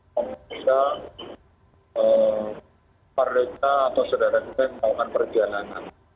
kalau bisa para reka atau saudara saudara yang melakukan perjalanan